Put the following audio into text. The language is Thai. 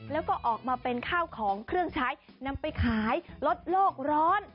แล้วก็ออกมาเป็นข้าวของเครื่องใช้นำไปขายลดโลกร้อน